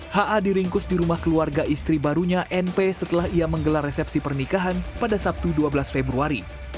ha diringkus di rumah keluarga istri barunya np setelah ia menggelar resepsi pernikahan pada sabtu dua belas februari